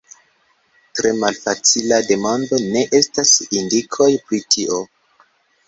Tre malfacila demando ne estas indikoj pri tio.